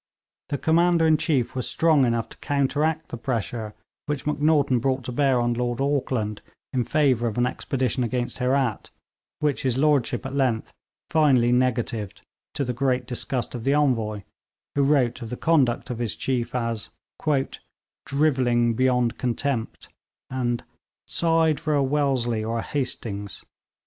The Commander in Chief was strong enough to counteract the pressure which Macnaghten brought to bear on Lord Auckland in favour of an expedition against Herat, which his lordship at length finally negatived, to the great disgust of the Envoy, who wrote of the conduct of his chief as 'drivelling beyond contempt,' and 'sighed for a Wellesley or a Hastings.'